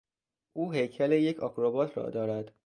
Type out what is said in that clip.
او هیکل یک آکروبات را دارد.